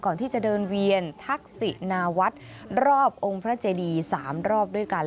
ก่อนที่จะเดินเวียนทักษินาวัดรอบองค์พระเจดี๓รอบด้วยกัน